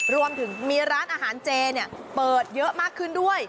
รวมถึงมีร้านอาหารเจเปิดเยอะมากขึ้นด้วย